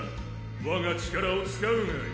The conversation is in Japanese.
我が力を使うがいい！